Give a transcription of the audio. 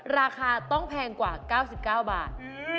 ราคาต้องแพงกว่า๙๙บาท